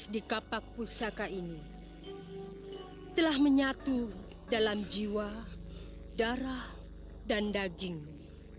di kapak pusaka ini telah menyatu dalam jiwa darah dan dagingnya